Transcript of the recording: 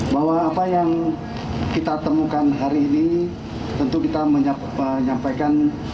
bahwa apa yang kita temukan hari ini tentu kita menyampaikan